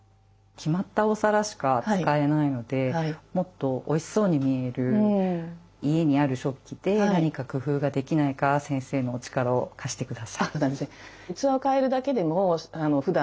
決まったお皿しか使えないのでもっとおいしそうに見える家にある食器で何か工夫ができないか先生のお力を貸してください。